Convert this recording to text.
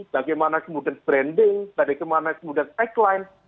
bagaimana kemudian branding bagaimana kemudian tagline